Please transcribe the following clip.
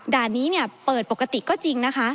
ด่านนี้เปิดปกติก็จริงนะคะ